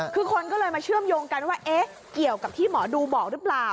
คือคนก็เลยมาเชื่อมโยงกันว่าเอ๊ะเกี่ยวกับที่หมอดูบอกหรือเปล่า